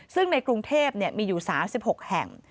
ซึ่งในกรุงเทพมีอยู่๓๖แห่ง